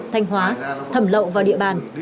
thành hóa thẩm lậu vào địa bàn